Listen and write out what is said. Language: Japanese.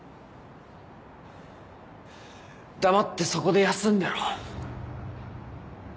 黙ってそこで休んでろ。